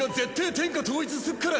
天下統一すっから